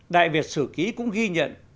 đại việt sử ký cũng ghi nhận